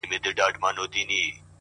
خدايه ته لوی يې ـ